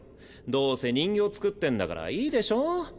どうせ人形作ってんだからいいでしょ？